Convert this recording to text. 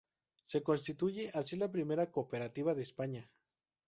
Se constituye así la primera cooperativa de España.